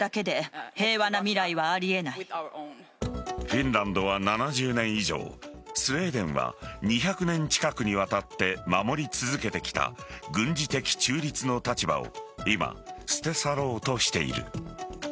フィンランドは７０年以上スウェーデンは２００年近くにわたって守り続けてきた軍事的中立の立場を今、捨て去ろうとしている。